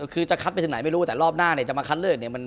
คือจะคัดไปถึงไหนไม่รู้แต่รอบหน้าเนี่ยจะมาคัดเลือกเนี่ย